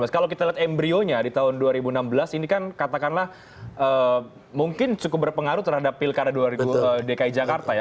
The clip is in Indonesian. kalau kita lihat embryonya di tahun dua ribu enam belas ini kan katakanlah mungkin cukup berpengaruh terhadap pilkada dki jakarta ya